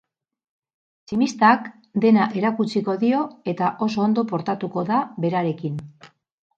Tximistak dena erakutsiko dio eta oso ondo portatuko da berarekin.